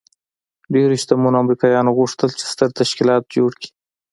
ډېرو شتمنو امريکايانو غوښتل چې ستر تشکيلات جوړ کړي.